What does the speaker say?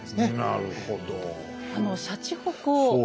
なるほど。